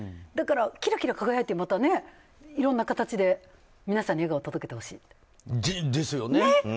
だからキラキラ輝いてまた、いろんな形で皆さんに笑顔を届けてほしい。ですよね。